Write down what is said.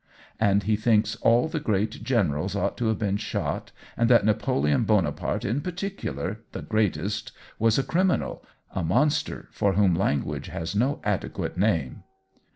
"And he thinks all the great generals ought to have been shot, and that Napoleon Bonaparte in particular, the greatest, was a criminal, a monster for whom language has no adequate name